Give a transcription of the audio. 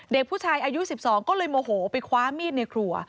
เด็กผู้ชายอายุ๑๒ก็เลยโมโหไปคว้ามีดในครัว